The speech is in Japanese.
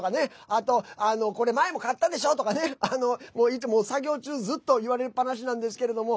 あと、これ前も買ったでしょ！とかね作業中、ずっと言われっぱなしなんですけれども